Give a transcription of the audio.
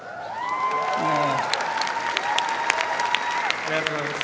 ありがとうございます。